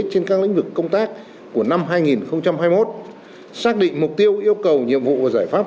trên các lĩnh vực công tác của năm hai nghìn hai mươi một xác định mục tiêu yêu cầu nhiệm vụ và giải pháp